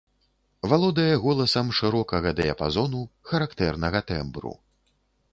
Валодае голасам шырокага дыяпазону, характэрнага тэмбру.